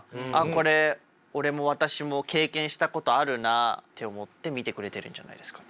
これ俺も私も経験したことあるなって思って見てくれるんじゃないですか。